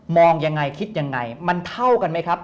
มองอย่างไรคิดอย่างไรมันเท่ากันไหมครับ